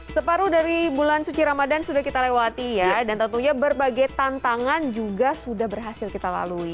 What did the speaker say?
separuh dari bulan suci ramadan sudah kita lewati ya dan tentunya berbagai tantangan juga sudah berhasil kita lalui